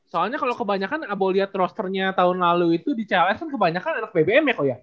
soalnya kalau kebanyakan abu lihat rosternya tahun lalu itu di celes kan kebanyakan anak bbm ya kok ya